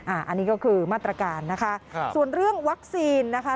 อันนี้ก็คือมาตรการนะคะครับส่วนเรื่องวัคซีนนะคะ